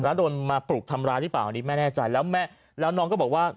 แล้วโดนมาปลุกทำร้ายหรือเปล่าอันนี้ไม่แน่ใจแล้วแม่แล้วน้องก็บอกว่า